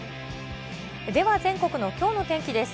では全国のきょうの天気です。